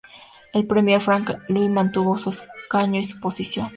El Premier Frank Lui mantuvo su escaño y su posición.